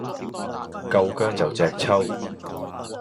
夠薑就隻揪